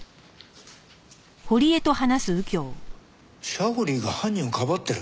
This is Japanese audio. シャオリーが犯人をかばってる？